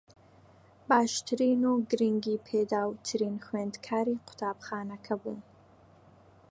باشترین و گرنگی پێدراوترین خوێندکاری قوتابخانەکە بووم